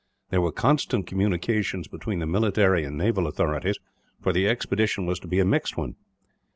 There were constant communications between the military and naval authorities, for the expedition was to be a mixed one.